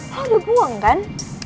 lo udah buang kan